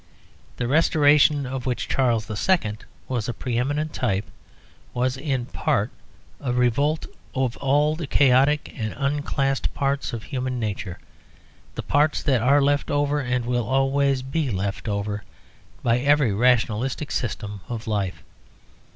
The Restoration, of which Charles II. was a pre eminent type, was in part a revolt of all the chaotic and unclassed parts of human nature, the parts that are left over, and will always be left over, by every rationalistic system of life.